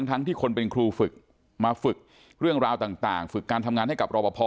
ทั้งที่คนเป็นครูฝึกมาฝึกเรื่องราวต่างฝึกการทำงานให้กับรอปภ